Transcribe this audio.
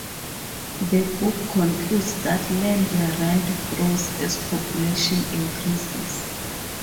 The book concludes that land rent grows as population increases.